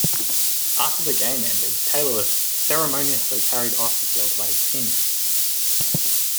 After the game ended, Taylor was ceremoniously carried off the field by his teammates.